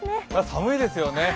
寒いですね